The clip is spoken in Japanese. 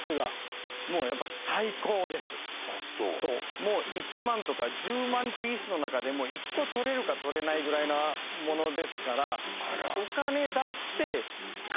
もう１万とか１０万ピースの中でも１個採れるか採れないぐらいなものですからじゃあ